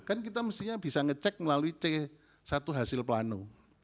kan kita mestinya bisa ngecek melalui c satu hasil plano